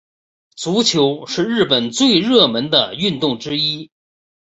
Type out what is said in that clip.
足球是日本最热门的运动之一。